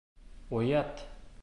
Оят!